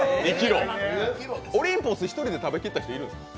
オリンポス、１人で食べきった人いるんですか。